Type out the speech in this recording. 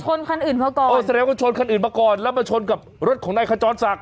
ชนคันอื่นมาก่อนเออแสดงว่าชนคันอื่นมาก่อนแล้วมาชนกับรถของนายขจรศักดิ